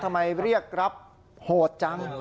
ถ้าไม่เรียกรับโหดจัง